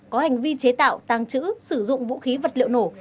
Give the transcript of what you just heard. có hành vi chế tạo tăng trữ sử dụng vũ khí vật liệu nổ